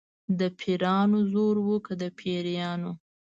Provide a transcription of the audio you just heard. د پیرانو زور و که د پیریانو.